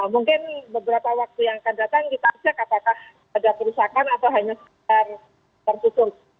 mungkin beberapa waktu yang akan datang kita cek apakah ada kerusakan atau hanya sekedar tertutup